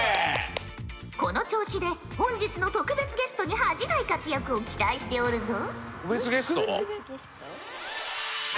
この調子で本日の特別ゲストに恥じない活躍を期待しておるぞ。